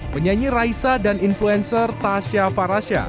penyanyi raisa dan influencer tasha farasya